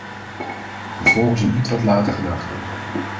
Vervolgens een ietwat late gedachte.